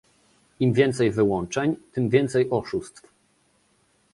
Im więcej wyłączeń, tym więcej oszustw